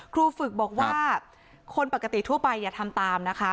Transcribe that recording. ครูฝึกบอกว่าคนปกติทั่วไปอย่าทำตามนะคะ